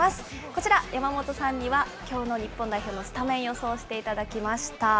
こちら、山本さんにはきょうの日本代表のスタメンを予想していただきました。